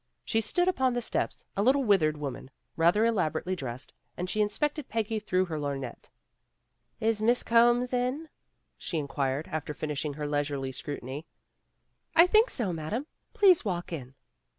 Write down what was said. She stood upon the steps, a little withered woman, rather elaborately dressed, and she inspected Peggy through her lorgnette. "Is Miss Combs in?" she inquired, after finishing her leisurely scrutiny. "I think so, Madame. Please walk in."